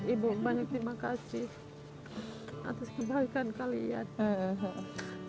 ibu banyak terima kasih atas kebaikan kalian